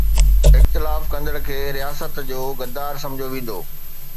اختلاف ڪندڙ کي رياست جو غدار سمجهيو ويندو